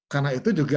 karena itu juga